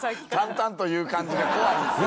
淡々と言う感じが怖いんですよ。